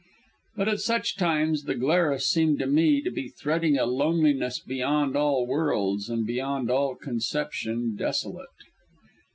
But at such times the Glarus seemed to me to be threading a loneliness beyond all worlds and beyond all conception desolate.